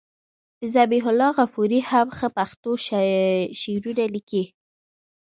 ذبیح الله غفوري هم ښه پښتو شعرونه لیکي.